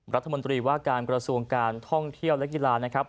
รัฐมนตรีว่าการกระทรวงการท่องเที่ยวและกีฬานะครับ